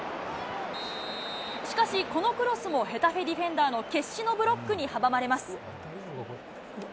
しかし、このクロスもヘタフェディフェンダーの決死のブロックに阻まれます。